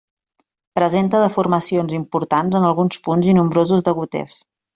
Presenta deformacions importants en alguns punts i nombrosos degoters.